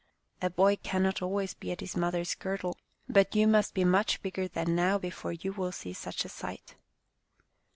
A boy cannot always be at his mother's girdle, but you must be much bigger than now before you will see such a sight."